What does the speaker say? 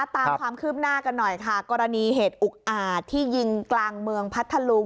ตามความคืบหน้ากันหน่อยค่ะกรณีเหตุอุกอาจที่ยิงกลางเมืองพัทธลุง